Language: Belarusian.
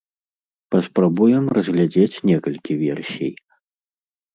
Паспрабуем разглядзець некалькі версій.